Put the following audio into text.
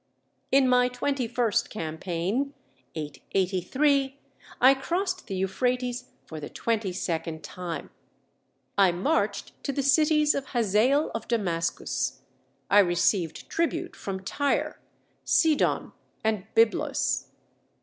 "In my twenty first campaign (883) I crossed the Euphrates for the twenty second time. I marched to the cities of Hazael of Damascus. I received tribute from Tyre, Sidon, and Byblus."